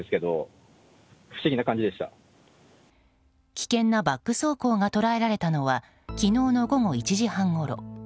危険なバック走行が捉えられたのは昨日の午後１時半ごろ。